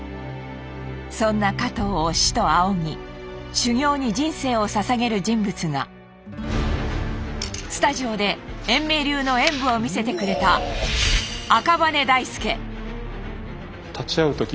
そんな加藤を師と仰ぎ修行に人生をささげる人物がスタジオで円明流の演武を見せてくれた力